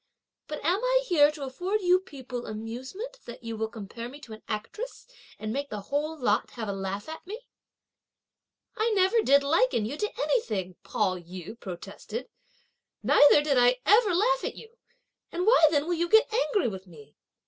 But am I here to afford you people amusement that you will compare me to an actress, and make the whole lot have a laugh at me?" "I never did liken you to anything," Pao yü protested, "neither did I ever laugh at you! and why then will you get angry with me?"